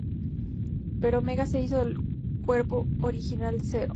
Pero Omega se hizo del cuerpo original de Zero.